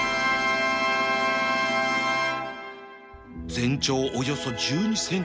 全長およそ １２ｃｍ